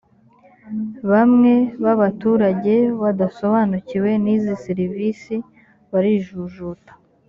bamwe babaturage badasobanukiwe n’izi serivisi barijujuta